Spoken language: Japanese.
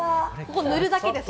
塗るだけです